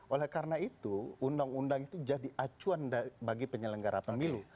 oleh karena itu undang undang itu jadi acuan bagi penyelenggara pemilu